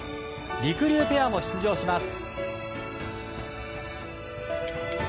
りくりゅうペアも出場します。